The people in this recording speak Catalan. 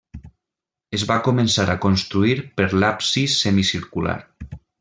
Es va començar a construir per l'absis semicircular.